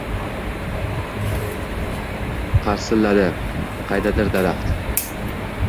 Qarsilladi qaydadir daraxt.